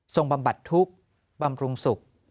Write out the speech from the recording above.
บำบัดทุกข์บำรุงสุข